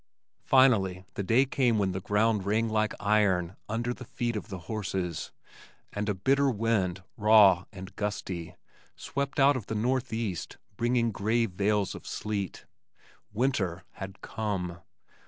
Finally the day came when the ground rang like iron under the feet of the horses, and a bitter wind, raw and gusty, swept out of the northwest, bearing gray veils of sleet. Winter had come!